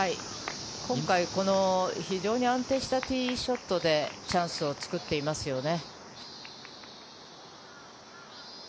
今回この非常に安定したティーショットでチャンスを作っていますよね。